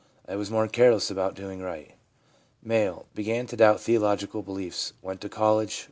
I was more careless about doing right/ M. ' Began to doubt theological beliefs. Went to college.